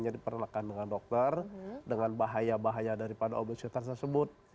diperlekan dengan dokter dengan bahaya bahaya daripada objektif tersebut